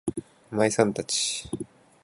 お前さん達